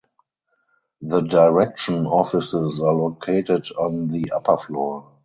The direction offices are located on the upper floor.